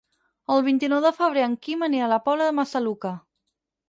El vint-i-nou de febrer en Quim anirà a la Pobla de Massaluca.